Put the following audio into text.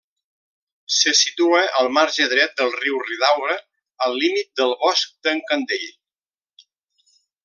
Se situa al marge dret del riu Ridaura, al límit del bosc d'en Candell.